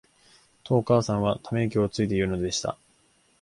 と、お母さんは溜息をついて言うのでした。